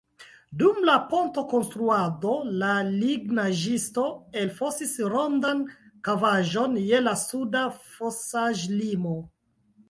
Dum la pontokonstruado la lignaĵisto elfosis rondan kavaĵon je la suda fosaĵlimo.